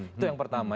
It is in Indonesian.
itu yang pertama